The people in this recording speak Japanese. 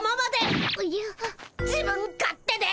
自分勝手で。